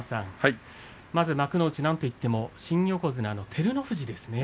まず幕内なんといっても新横綱の照ノ富士ですね。